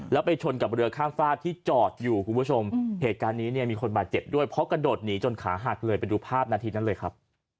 แล้วไปชนกับเรือข้ามฝากที่จอดอยู่คุณผู้ชมเหตุการณ์นี้เนี่ยมีคนบาดเจ็บด้วยเพราะกระโดดหนีจนขาหักเลยไปดูภาพนาทีนั้นเลยครับ